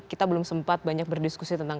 kita belum sempat banyak berdiskusi tentang